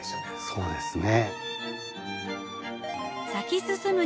そうですね。